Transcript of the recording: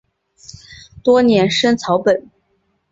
多年生草本。